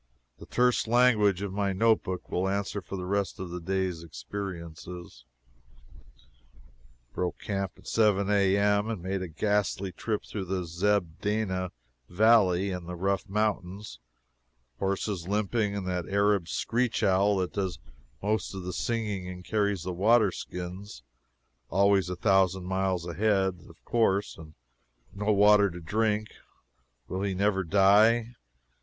The terse language of my note book will answer for the rest of this day's experiences: "Broke camp at 7 A.M., and made a ghastly trip through the Zeb Dana valley and the rough mountains horses limping and that Arab screech owl that does most of the singing and carries the water skins, always a thousand miles ahead, of course, and no water to drink will he never die?